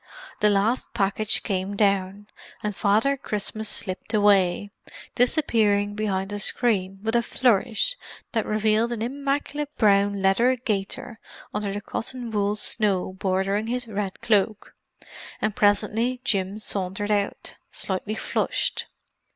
The last package came down, and Father Christmas slipped away, disappearing behind a screen with a flourish that revealed an immaculate brown leather gaiter under the cotton wool snow bordering his red cloak; and presently Jim sauntered out, slightly flushed.